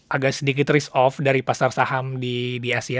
agak sedikit risk off dari pasar saham di asia